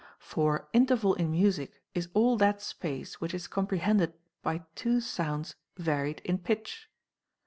For interval in music is all that space which is comprehended by two sounds varied in pitch.